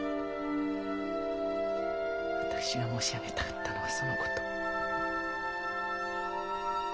私が申し上げたかったのはその事。